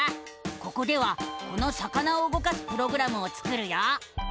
ここではこの魚を動かすプログラムを作るよ！